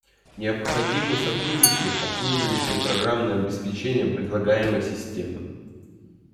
Необходимы сотрудники, обслуживающие программное обеспечение предлагаемой системы